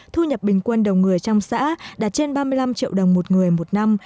thu nhập bình quân đồng người trong xã đã trên ba mươi năm triệu đồng một người một năm